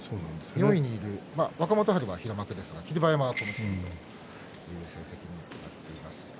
４位の若元春は平幕ですが霧馬山は小結という成績になっています。